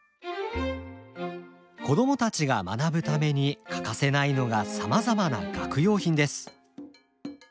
子供たちが学ぶために欠かせないのがさまざまな学用品です。